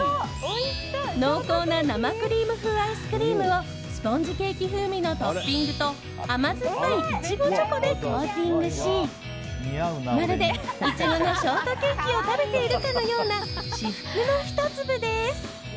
濃厚な生クリーム風アイスクリームをスポンジケーキ風味のトッピングと甘酸っぱいイチゴチョコでコーティングしまるでイチゴのショートケーキを食べているかのような至福の１粒です。